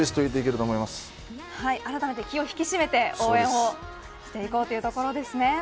あらためて気を引き締めて応援していこうというところですね。